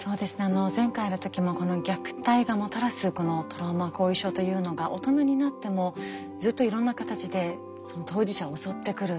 前回の時も虐待がもたらすトラウマ後遺症というのが大人になってもずっといろんな形で当事者を襲ってくる。